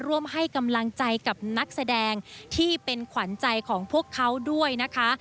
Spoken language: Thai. ร่วมให้กำลังใจกับนักแสดงที่เป็นขวัญใจของพวกเขาด้วยนะคะ